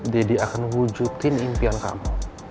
daddy akan wujudin impian kamu